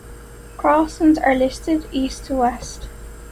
Crossing are listed east to west.